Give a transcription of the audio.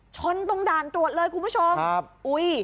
ชนตรงด่านตรวจเลยคุณผู้ชมครับอุ้ย